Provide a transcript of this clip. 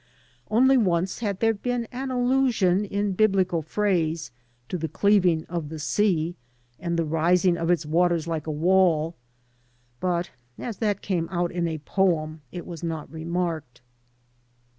Only once had there been an allusion in biblical phrase to the cleaving of the sea and the rising of its waters like a wall, but as that came out in a poem it was not remarked.